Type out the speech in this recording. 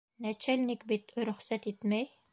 Нәчәлник бит рөхсәт итмәй!